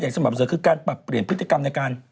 อย่างสมบัติศึกษ์คือการปรับเปลี่ยนพฤติกรรมในการ